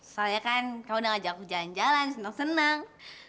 soalnya kan kalau udah ngajak jalan jalan seneng seneng